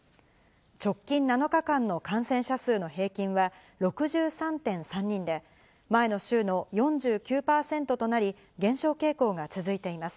直近７日間の感染者数の平均は、６３．３人で、前の週の４９％となり、減少傾向が続いています。